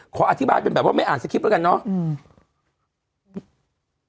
ขออธิบายเป็นแบบว่าไม่อ่านสคริปต์แล้วกันเนาะ